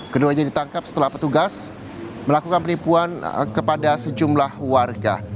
keduanya ditangkap setelah petugas melakukan penipuan kepada sejumlah warga